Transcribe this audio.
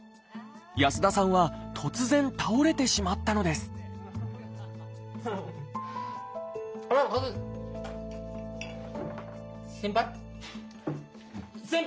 安田さんは突然倒れてしまったのです先輩？